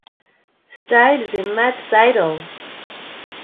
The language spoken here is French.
Styles et Matt Sydal.